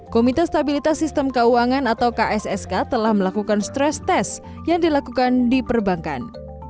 komite stabilitas sistem keuangan atau kssk telah melakukan stres tes yang dilakukan di perbankan